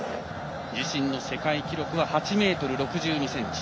自身の世界記録は８ｍ６２ｃｍ。